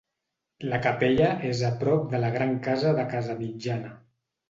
La capella és a prop de la gran casa de Casamitjana.